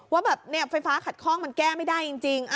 ว่าแบบไฟฟ้าขัดข้องมันแก้ไม่ได้จริง